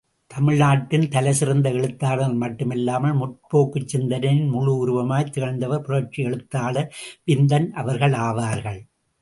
தமிழ்நாட்டின் தலைசிறந்த எழுத்தாளர் மட்டுமல்லாமல், முற்போக்குச் சிந்தனையின் முழு உருவமாய்த் திகழ்ந்தவர் புரட்சி எழுத்தாளர் விந்தன் அவர்கள் ஆவார்கள்!